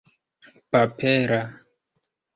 papera